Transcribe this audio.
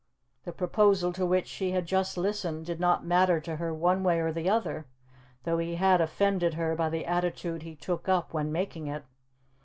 The proposal to which she had just listened did not matter to her one way or the other, though he had offended her by the attitude he took up when making it.